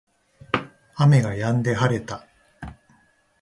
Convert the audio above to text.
雨が止んで晴れた